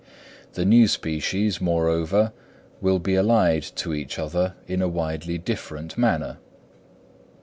The new species, moreover, will be allied to each other in a widely different manner.